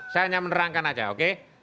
saya hanya menerangkan saja oke